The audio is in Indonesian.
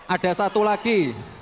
ada satu lagi